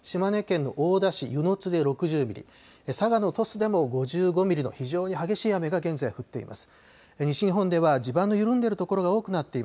福岡の久留米で６４．５ミリ、島根県の大田市温泉津で６０ミリ、佐賀の鳥栖でも５５ミリの非常に激しい雨が現在降っています。